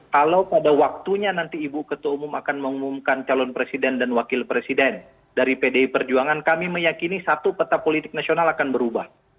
kalau pada waktunya nanti ibu ketua umum akan mengumumkan calon presiden dan wakil presiden dari pdi perjuangan kami meyakini satu peta politik nasional akan berubah